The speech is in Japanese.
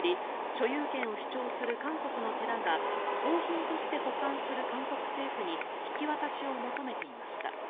所有権を主張する韓国の寺が盗品として保管する韓国政府に引き渡しを求めていました。